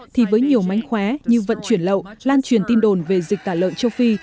thì với nhiều mánh khóe như vận chuyển lậu lan truyền tin đồn về dịch tả lợn châu phi